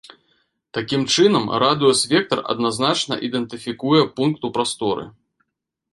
Такім чынам, радыус-вектар адназначна ідэнтыфікуе пункт у прасторы.